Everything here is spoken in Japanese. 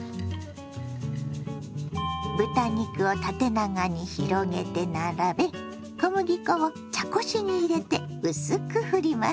豚肉を縦長に広げて並べ小麦粉を茶こしに入れて薄くふります。